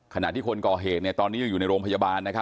ขณะที่คนเขาใหงตอนนี้อยู่ในโรงพยาบาลนะครับ